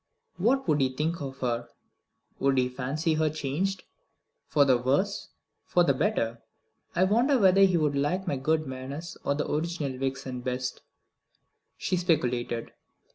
What would he think of her? Would he fancy her changed? For the worse? For the better? "I wonder whether he would like my good manners or the original Vixen best?" she speculated.